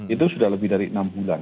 itu sudah lebih dari enam bulan